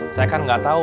saya kan gak tau